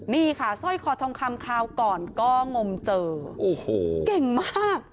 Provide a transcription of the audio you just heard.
นี่ค่ะสร้อยคอทองคำคราวก่อนก็งมเจอโอ้โหเก่งมาก